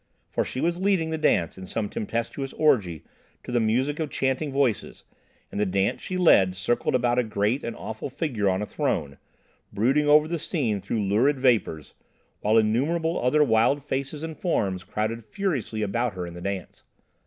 For she was leading the dance in some tempestuous orgy to the music of chanting voices, and the dance she led circled about a great and awful Figure on a throne, brooding over the scene through lurid vapours, while innumerable other wild faces and forms crowded furiously about her in the dance.